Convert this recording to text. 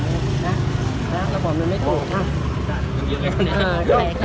ระบบมันไม่ถูก